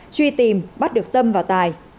truy tìm bắt được tâm và tài